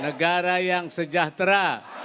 negara yang sejahtera